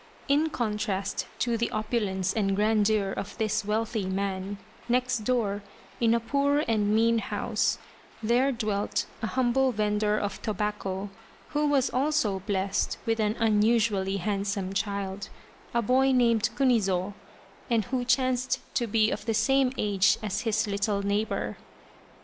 In contrast to the opulence and grandeur of this wealthy man, next door, in a poor and mean house, there dwelt a humble vendor of tobacco, who was also blessed with an unusually handsome child, a boy named Kunizo, and who chanced to be of the same age as his little neighbour.